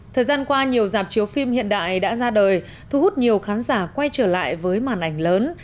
thời gian qua nhiều dạp chiếu phim hiện đại đã ra đời thu hút nhiều khán giả quay trở lại với màn ảnh lớn